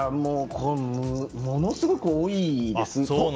ものすごく多いです。